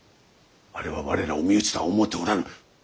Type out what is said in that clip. あれは我らを身内とは思うておらぬ。